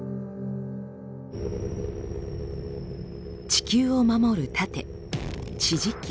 地球を守る盾地磁気。